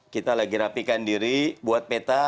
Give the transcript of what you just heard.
kita lagi rapikan diri buat peta